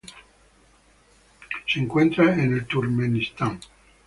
Se encuentra en el Turkmenistán.